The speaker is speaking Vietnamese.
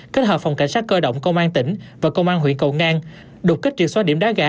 kết hợp phòng cảnh sát cơ động công an tỉnh và công an huyện cầu ngang đột kích triệt xóa điểm đá gà